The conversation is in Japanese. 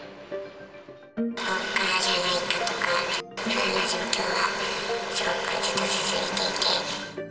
放火じゃないかとか、不安な状況がずっと続いていて。